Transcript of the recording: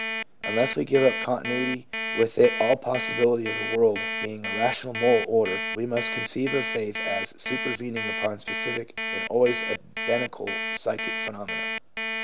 Unless we give up continuity and with it all possi bility of the world being a rational moral order, we must con ceive of faith as supervening upon specific and always identi cal psychic phenomena.